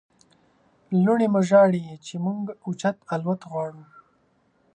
لوڼې مو ژاړي چې موږ اوچت الوت غواړو.